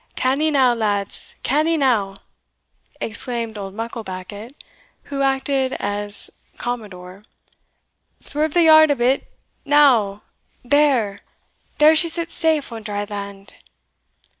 "Canny now, lads, canny now!" exclaimed old Mucklebackit, who acted as commodore; "swerve the yard a bit Now there! there she sits safe on dry land."